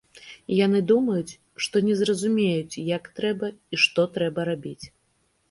Яны думаюць, што не зразумеюць, як трэба і што трэба рабіць.